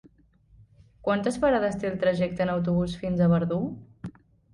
Quantes parades té el trajecte en autobús fins a Verdú?